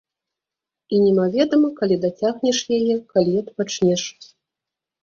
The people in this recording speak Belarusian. І немаведама, калі дацягнеш яе, калі адпачнеш.